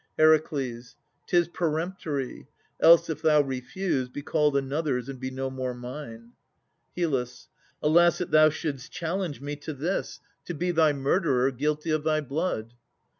HER. 'Tis peremptory. Else, if thou refuse, Be called another's and be no more mine. HYL. Alas that thou shouldst challenge me to this, To be thy murderer, guilty of thy blood!